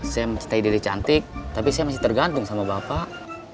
saya stay diri cantik tapi saya masih tergantung sama bapak